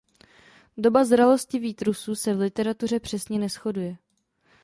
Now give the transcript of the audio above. Doba zralosti výtrusů se v literatuře přesně neshoduje.